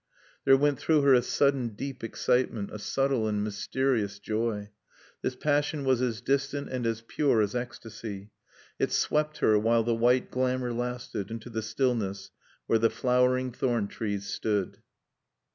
There went through her a sudden deep excitement, a subtle and mysterious joy. This passion was as distant and as pure as ecstasy. It swept her, while the white glamour lasted, into the stillness where the flowering thorn trees stood.